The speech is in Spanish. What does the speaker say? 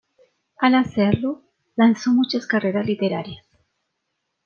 Al hacerlo, lanzó muchas carreras literarias.